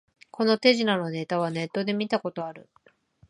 この手品のネタはネットで見たことある